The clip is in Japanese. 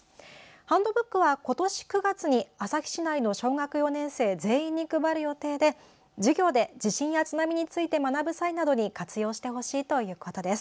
ハンドブックは今年９月に旭市内の小学４年生全員に配る予定で授業で地震や津波について学ぶ際などに活用してほしいということです。